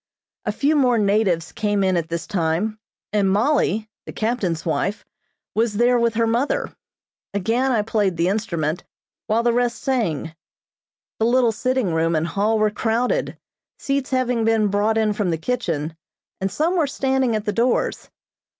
A few more natives came in at this time, and Mollie, the captain's wife, was there with her mother. Again I played the instrument, while the rest sang. The little sitting room and hall were crowded, seats having been brought in from the kitchen, and some were standing at the doors.